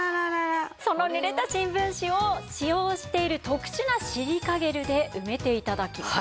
そのぬれた新聞紙を使用している特殊なシリカゲルで埋めて頂きます。